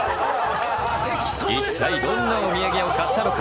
一体どんなお土産を買ったのか？